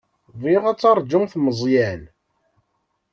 Bɣiɣ ad teṛjumt Meẓyan.